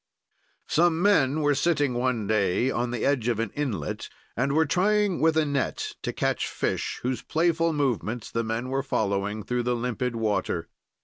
"Some men were sitting one day on the edge of an inlet and were trying with a net to catch fish, whose playful movements the men were following through the limpid water.